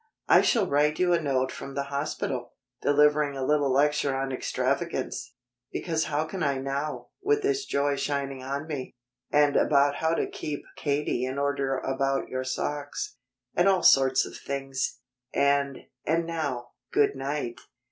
I shall write you a note from the hospital, delivering a little lecture on extravagance because how can I now, with this joy shining on me? And about how to keep Katie in order about your socks, and all sorts of things. And and now, good night."